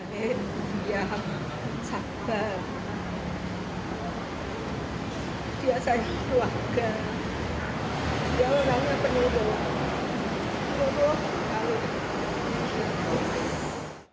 beginilah suasana haru keluarga korban di rumah duka heaven yang berada di wilayah penjaringan jakarta utara